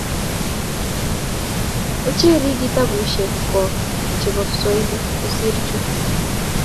Ocherin kitapusyek kwok chepo pswaili osir chu.